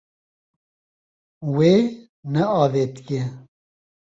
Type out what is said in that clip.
Wê neavêtiye.